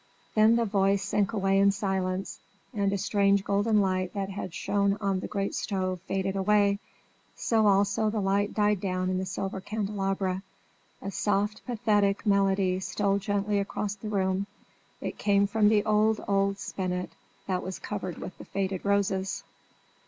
Then the voice sank away in silence, and a strange golden light that had shone on the great stove faded away; so also the light died down in the silver candelabra. A soft, pathetic melody stole gently through the room. It came from the old, old spinet that was covered with the faded roses.